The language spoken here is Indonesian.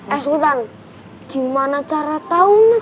eh sultan gimana cara tau nih